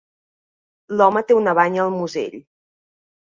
L"home té una banya al musell.